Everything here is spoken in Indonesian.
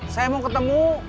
saya mau ketemu